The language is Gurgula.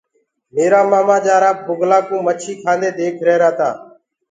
ميرآ مآمآ جآرآ بُگلآ ڪوُ مڇيٚ کآندي ديک رهرآ تآ۔